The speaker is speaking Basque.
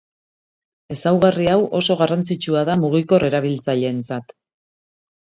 Ezaugarri hau oso garrantzitsua da mugikor erabiltzaileentzat.